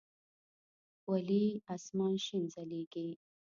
ولي اسمان شين ځليږي؟